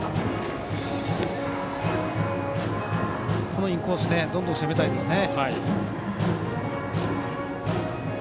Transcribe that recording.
このインコースどんどん攻めたいですね。